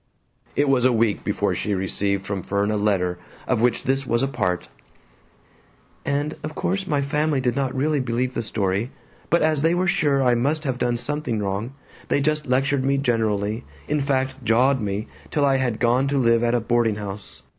It was a week before she received from Fern a letter of which this was a part: ...& of course my family did not really believe the story but as they were sure I must have done something wrong they just lectured me generally, in fact jawed me till I have gone to live at a boarding house.